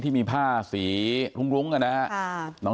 ที่มีผ้าสีรุ้งกันนะ